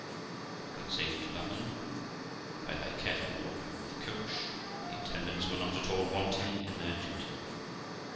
I got safe to London, by thy careful ordering of the coach, and the attendants were not at all wanting in their duty.